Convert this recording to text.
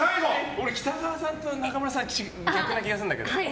俺、喜多川さんと中村さん逆な気がするんだけど。